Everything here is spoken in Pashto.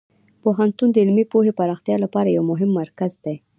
پوهنتون د علمي پوهې پراختیا لپاره یو مهم مرکز دی.